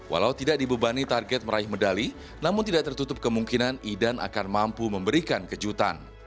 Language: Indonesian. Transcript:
walau tidak dibebani target meraih medali namun tidak tertutup kemungkinan idan akan mampu memberikan kejutan